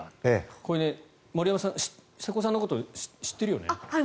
これ、森山さん瀬古さんのこと知ってるよね？